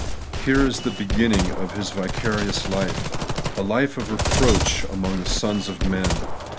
Here is the beginning of His vicarious life, — a life of reproach among the sons of men.